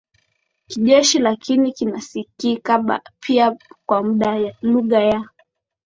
kijeshi Lakini kinasikika pia kama lugha ya